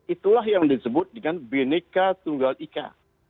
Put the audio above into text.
itulah yang disebut dengan bineka tunggal ika